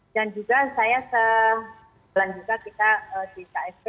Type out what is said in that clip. dan juga saya sebelan juga kita di ksp